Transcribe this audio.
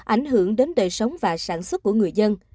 ảnh hưởng đến đời sống và sản xuất của người dân